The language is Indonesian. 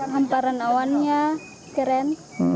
hamparan awannya keren